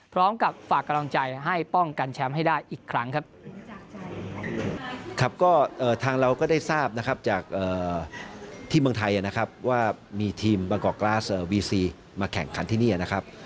พร้อมกับฝากกำลังใจให้ป้องกันแชมป์ให้ได้อีกครั้งครับ